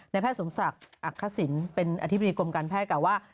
แพทย์สมศักดิ์อักษิณเป็นอธิบดีกรมการแพทย์กล่าวว่า